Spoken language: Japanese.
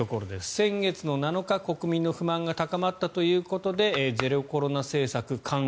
先月７日、国民の不満が高まったということでゼロコロナ政策緩和